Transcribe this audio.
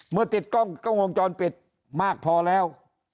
เมื่อติดกล้องวงจรปิดมากพอแล้ว